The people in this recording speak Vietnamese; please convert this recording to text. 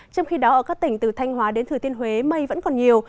trong khi đó ở các tỉnh từ thanh hóa đến thừa thiên huế mây vẫn còn nhiều